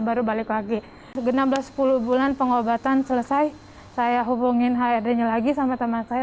baru balik lagi enam belas sepuluh bulan pengobatan selesai saya hubungin hrd nya lagi sama teman saya